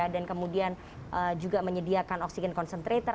dan kemudian juga menyediakan oksigen concentrator